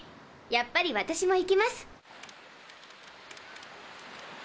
やっぱり私も行きます。